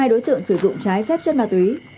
một trăm linh hai đối tượng sử dụng trái phép chất ma túy